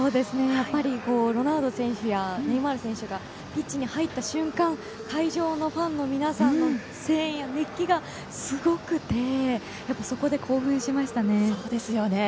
やっぱりロナウド選手やネイマール選手がピッチに入った瞬間、会場のファンの皆さんの声援や熱気がすごくて、やっぱりそこで興奮しましたね。